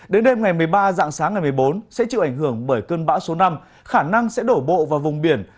đến đêm ngày một mươi ba dạng sáng ngày một mươi bốn sẽ chịu ảnh hưởng bởi cơn bão số năm khả năng sẽ đổ bộ vào vùng biển